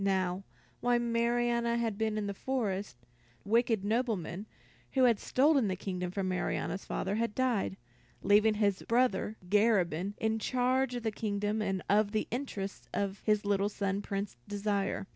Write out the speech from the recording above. Now while Marianna had been in the forest, the wicked nobleman who had stolen the kingdom from Marianna's father had died, leaving his brother Garabin in charge of the kingdom and of the interests of his little son, Prince Desire.